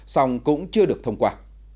song cũng chưa được thông qua